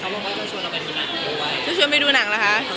เขาบอกว่าจะชวนไปดูหนัง